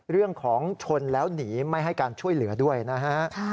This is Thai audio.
เรื่องของชนแล้วหนีไม่ให้การช่วยเหลือด้วยนะฮะ